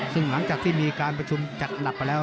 ซึ่งหลังจากที่มีการประชุมจัดหนักไปแล้ว